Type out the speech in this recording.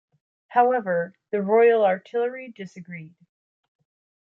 However, the Royal Artillery disagreed.